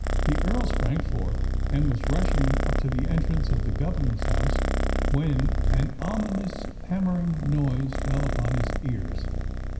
The Earl sprang forth, and was rushing up to the entrance of the governor's house; when an ominous hammering noise fell upon his ears.